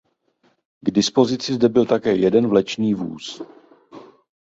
K dispozici zde byl také jeden vlečný vůz.